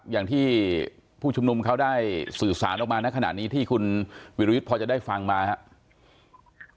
อย่างที่ผู้ชุมนุมเขาได้สื่อสารออกมาในขณะนี้ที่คุณวิรวิทย์พอจะได้ฟังมาครับ